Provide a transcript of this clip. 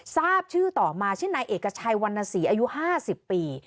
ทราบชื่อต่อมาชื่อนายเอกชัยวรรณศรีอายุ๕๐ปี